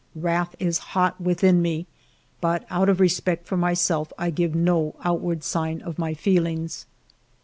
Wrath is hot within me, but out of respect for myself I give no outward sign of my feelings.